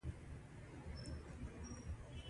هغې ما ته یو سوغات راوړی ده